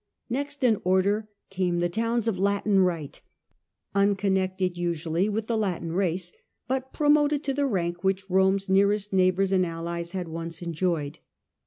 Next in order came the towns of Latin rights unconnected usually with the Latin race, but promoted to the rank which Rome's nearest neighbours and allies had once enjoyed.